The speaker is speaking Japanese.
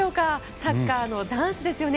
サッカーの男子ですよね。